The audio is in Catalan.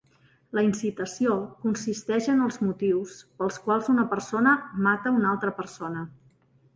La incitació consisteix en els motius pels quals una persona mata una altra persona.